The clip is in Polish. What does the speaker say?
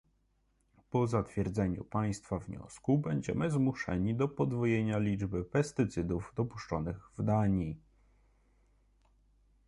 Po zatwierdzeniu państwa wniosku będziemy zmuszeni do podwojenia liczby pestycydów dopuszczonych w Danii